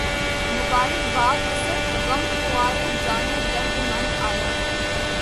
مبارک باد اسد، غمخوارِ جانِ درد مند آیا